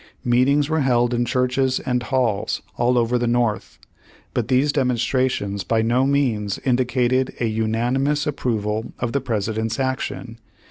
Meetings were held in churches and halls all over the North ; but these demonstrations by no means indicated a unanimous approval of the President's action.